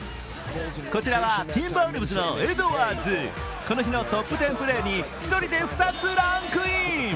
こちらはティンバーウルブズのエドワーズ、この日のトップ１０プレーに１人で２つランクイン。